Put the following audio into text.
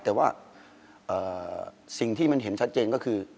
แต่ว่าสิ่งที่มันเห็นชัดเจนก็คือ